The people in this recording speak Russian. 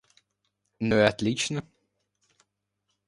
Ну, и отлично.